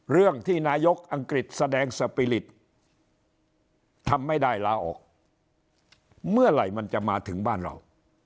เรื่องที่นายกอังกฤษแสดงสปีริตทำไม่ได้ลาออกเมื่อไหร่มันจะมาถึงบ้านเรา